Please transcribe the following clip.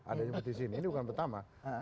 ada petisi ini ini bukan pertama